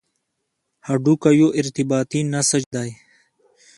هډوکی یو ارتباطي نسج دی.